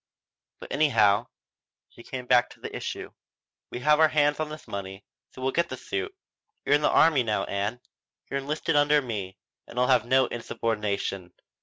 "But anyhow," she came back to the issue, "we have our hands on this money, so we'll get the suit. You're in the army now, Ann. You're enlisted under me, and I'll have no insubordination.